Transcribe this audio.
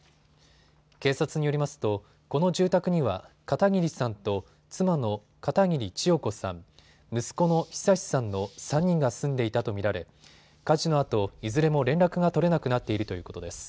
警察によりますとこの住宅には片桐さんと妻の片桐千代子さん、息子の久さんの３人が住んでいたと見られ火事のあといずれも連絡が取れなくなっているということです。